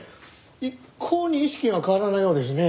一向に意識が変わらないようですねえ。